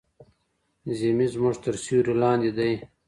ذمي زموږ تر سیوري لاندې دی.